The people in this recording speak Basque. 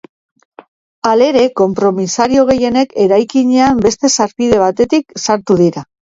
Halere, konpromisario gehienek eraikinean beste sarbide batetik sartu dira.